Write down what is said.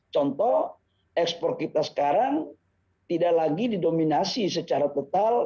contoh ekspor kita sekarang tidak lagi didominasi secara total